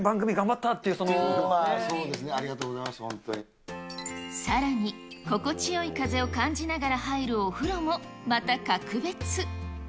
たっそうですね、ありがとうござさらに、心地よい風を感じながら入るお風呂も、また格別。